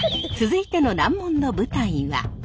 続いての難問の舞台は。